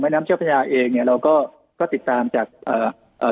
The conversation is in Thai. น้ำเจ้าพระยาเองเนี้ยเราก็ก็ติดตามจากเอ่อเอ่อ